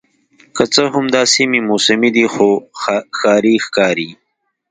که څه هم دا سیمې موسمي دي خو ښاري ښکاري